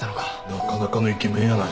なかなかのイケメンやないの。